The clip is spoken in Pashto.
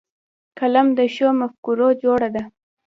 قلم د ښو مفکورو جرړه ده